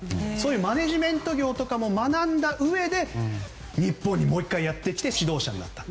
マネジメント業とかも学んだうえで日本にもう１回やってきて指導者になった。